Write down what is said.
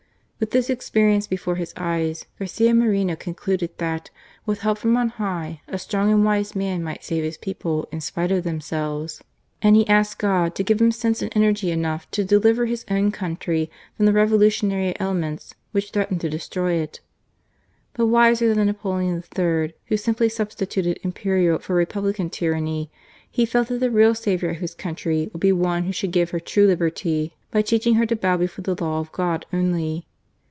With this expe rience before his eyes, Garcia Moreno concluded that, with help from on High, a strong and wise man might save his people in spite of themselves. 58 GARCIA MORENO. And he asked God to give him sense and energy enough to deliver his own country from the revolu tionary elements which threatened to destroy it. But wiser than Napoleon III., who simply substi tuted imperial for republican tyranny, he felt that the real saviour of his country would be one who should give her true liberty by teaching her to bow before the Law of God only.